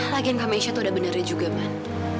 lagian pak mesya itu sudah benar juga man